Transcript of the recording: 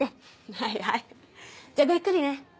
はいはいじゃごゆっくりね。